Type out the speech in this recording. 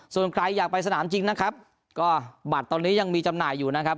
ส่วนใครอยากไปสนามจริงนะครับก็บัตรตอนนี้ยังมีจำหน่ายอยู่นะครับ